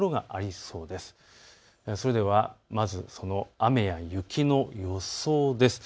それではまずその雨や雪の予想です。